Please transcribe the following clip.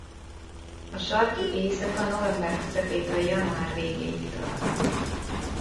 A sarki éjszaka november közepétől január végéig tart.